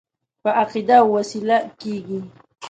په عقیده او وسیله کېږي.